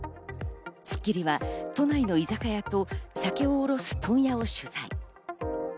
『スッキリ』は都内の居酒屋と酒を卸す問屋を取材。